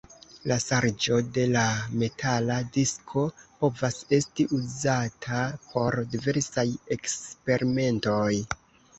La ŝargo de la metala disko povas esti uzata por diversaj eksperimentoj.